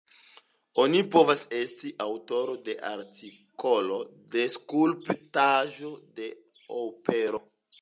Oni povas esti aŭtoro de artikolo, de skulptaĵo, de opero.